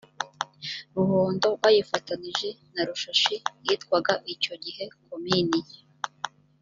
ruhondo bayifatanije na rushashi yitwaga icyo gihe komini